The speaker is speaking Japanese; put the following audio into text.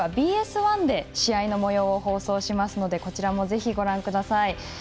ＮＨＫではＢＳ１で試合のもようを放送しますのでこちらもぜひご覧ください。